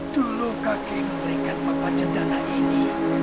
dulu kaki memberikan papan cendana ini